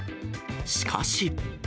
しかし。